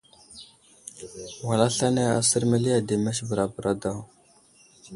Wal aslane asər məli ademes bəra bəra daw.